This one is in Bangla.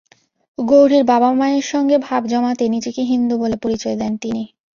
গৌরীর বাবা-মায়ের সঙ্গে ভাব জমাতে নিজেকে হিন্দু বলে পরিচয় দেন তিনি।